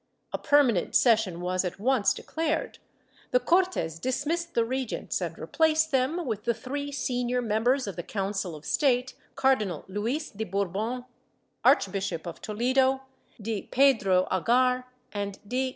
A permanent session was at once declared; the Cortes dismissed the regents and replaced them with the three senior members of the Council of State, Cardinal Luis de Bourbon, Archbishop of Toledo, D. Pedro Agar and D.